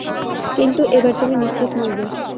কিন্তু এবার তুমি নিশ্চিত মরবে।